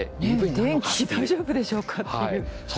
電気大丈夫でしょうかっていう。